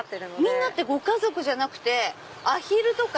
みんなってご家族じゃなくてアヒルとか？